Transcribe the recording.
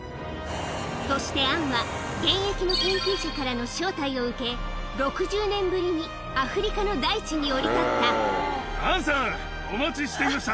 そしてアンは、現役の研究者たちからの招待を受け、６０年ぶりにアフリカの大地アンさん、お待ちしていました。